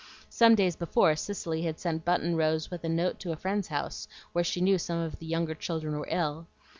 Some days before Cicely had sent Button Rose with a note to a friend's house where she knew some of the younger children were ill.